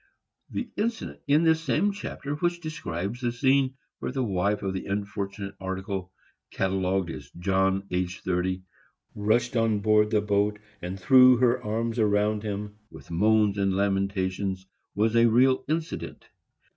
The incident in this same chapter which describes the scene where the wife of the unfortunate article, catalogued as "John aged 30," rushed on board the boat and threw her arms around him, with moans and lamentations, was a real incident.